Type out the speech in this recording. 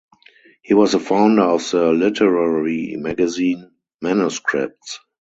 He was the founder of the literary magazine "manuscripts".